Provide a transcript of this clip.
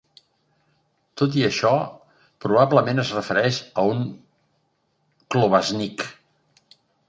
Tot i això, probablement es refereix a un klobásník.